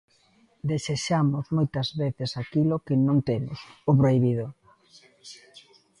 Desexamos moitas veces aquilo que non temos, o prohibido.